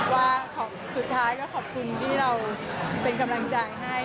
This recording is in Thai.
ว่าสุดท้ายก็ขอบคุณที่เราเป็นกำลังใจให้